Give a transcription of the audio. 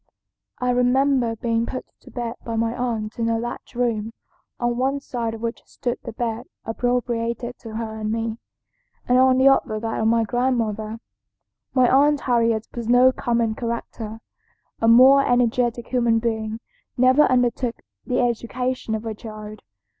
[Illustration: Roxanna Foote] "I remember being put to bed by my aunt in a large room, on one side of which stood the bed appropriated to her and me, and on the other that of my grandmother. My aunt Harriet was no common character. A more energetic human being never undertook the education of a child.